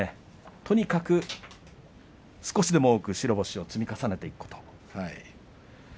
とにかく少しでも多く白星を積み重ねていく。